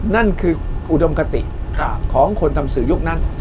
นั่นคืออุดมคติของคนทำสื่อยุคนั้น